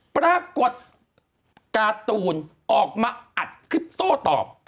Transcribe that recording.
ปรากฏการ์ตูนออกมาอัดคลิปโต้ตอบ